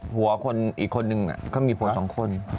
หัวคนอีกคนนึงเขามีผัวสองคน